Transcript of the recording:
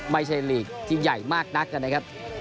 ไม่ใช่ที่ใหญ่มากนักนะครับ